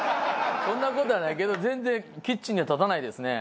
そんな事はないけど全然キッチンには立たないですね。